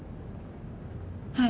はい。